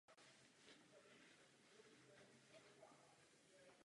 V jejich společnosti také nejčastěji a nejdéle pobývá.